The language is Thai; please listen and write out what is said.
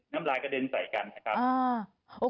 น้ำลายกระเด็นใส่กันนะครับ